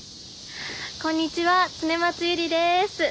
こんにちは恒松祐里です。